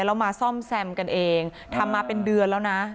แล้วมาซ่อมแซมกันเองทำมาเป็นเดือนแล้วนะ